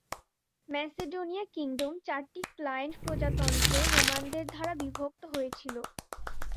Macedonia kingdom চারটি client প্রজাতন্ত্রে রোমানদের দ্বারা বিভক্ত হয়েছিল।